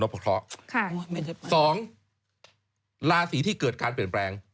ฟันทง